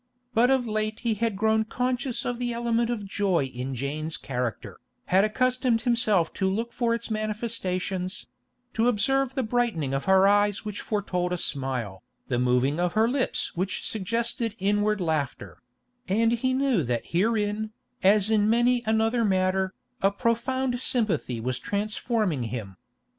But of late he had grown conscious of the element of joy in Jane's character, had accustomed himself to look for its manifestations—to observe the brightening of her eyes which foretold a smile, the moving of her lips which suggested inward laughter—and he knew that herein, as in many another matter, a profound sympathy was transforming him.